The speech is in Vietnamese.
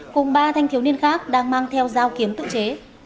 cùng ba thanh thiếu niên khác đang mang theo dao kiếm tự chế